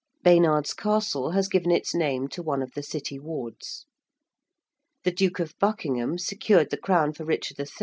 ~Baynard's Castle~ has given its name to one of the City wards. ~The Duke of Buckingham~ secured the crown for Richard III.